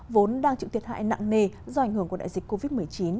vốn đang chịu thiệt hại nặng nề do ảnh hưởng của đại dịch covid một mươi chín